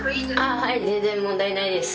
はい。